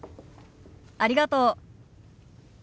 ありがとう。